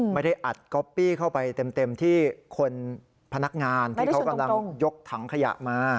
ไม่ได้อัดก๊อปปี้เข้าไปเต็มที่คนพนักงานที่เขากำลังยกถังขยะมา